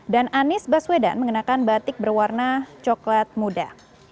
dan anies baswedan mengenakan batik berwarna coklat muda